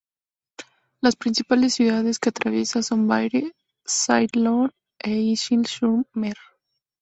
Las principales ciudades que atraviesa son Vire, Saint-Lô e Isigny-sur-Mer.